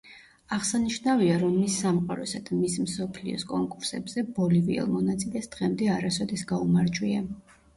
აღსანიშნავია, რომ მის სამყაროსა და მის მსოფლიოს კონკურსებზე ბოლივიელ მონაწილეს დღემდე არასოდეს გაუმარჯვია.